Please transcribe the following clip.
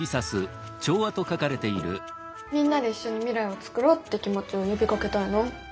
「みんなで一緒に未来をつくろう」って気持ちを呼びかけたいな。